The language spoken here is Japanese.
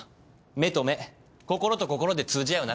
目と目心と心で通じ合う仲です。